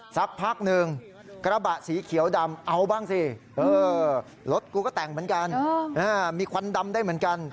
สักพักหนึ่งกระบะสีเขียวดำเอาบ้างสิรถกูก็แต่งเหมือนกันมีควันดำได้เหมือนกัน